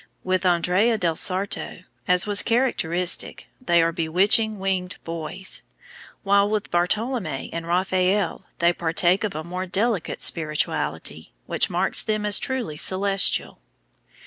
With Andrea del Sarto, as was characteristic, they are bewitching winged boys; while with Bartolommeo and Raphael they partake of a more delicate spirituality, which marks them as truly celestial.